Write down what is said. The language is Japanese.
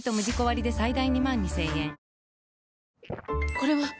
これはっ！